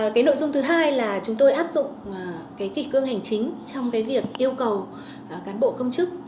cái nội dung thứ hai là chúng tôi áp dụng cái kỳ cương hành chính trong cái việc yêu cầu cán bộ công chức